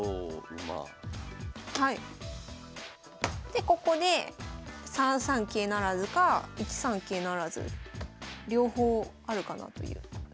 でここで３三桂不成か１三桂不成両方あるかなという。